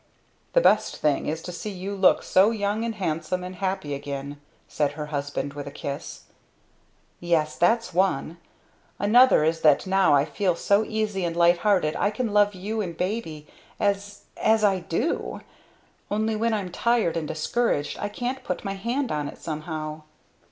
"The best thing is to see you look so young and handsome and happy again," said her husband, with a kiss. "Yes that's one. Another is that now I feel so easy and lighthearted I can love you and baby as as I do! Only when I'm tired and discouraged I can't put my hand on it somehow."